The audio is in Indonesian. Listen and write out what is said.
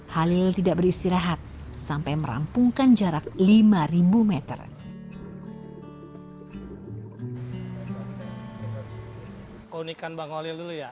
halil tidak beristirahat sampai merampungkan jarak lima meter